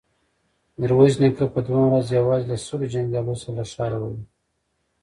ميرويس نيکه په دوهمه ورځ يواځې له سلو جنګياليو سره له ښاره ووت.